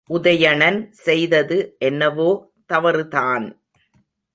உதயணன் செய்தது என்னவோ தவறுதான்!